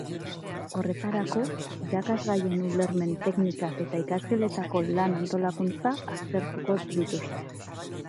Horretarako, irakasgaien ulermen teknikak eta ikasgeletako lan antolakuntza aztertuko ditzte.